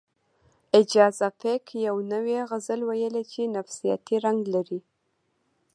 اعجاز افق یو نوی غزل ویلی چې نفسیاتي رنګ لري